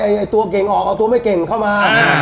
ไอ้ตัวเก่งออกเอาตัวไม่เก่งเข้ามา